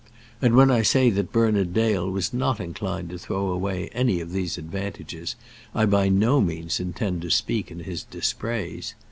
And when I say that Bernard Dale was not inclined to throw away any of these advantages, I by no means intend to speak in his dispraise.